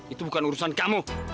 itu bukan urusan kamu